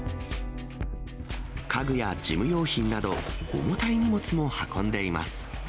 家具や事務用品など、重たい荷物も運んでいます。